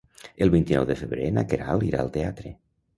El vint-i-nou de febrer na Queralt irà al teatre.